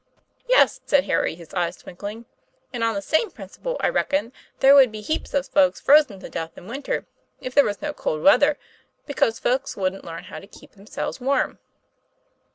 "Yes," said Harry, his eyes twinkling, "and on TOM PLAYFAIR. 225 the same principle I reckon there would be heaps of folks frozen to death in winter, if there was no cold weather, because folks wouldn't learn how to keep themselves warm."